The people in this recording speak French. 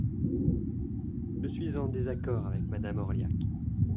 Je suis en désaccord avec Madame Orliac.